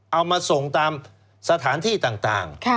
เอามาส่งตามสถานที่ต่าง